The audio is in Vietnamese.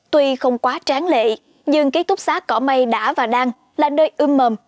tuy không quá tráng lệ nhưng ký túc xác cỏ mây đã và đang là nơi ưm mầm